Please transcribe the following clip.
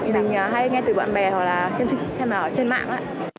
mình hay nghe từ bạn bè hoặc là xem ở trên mạng